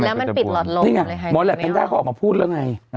นี่ไงหมอนแหละมันได้รอบมาพูดละไง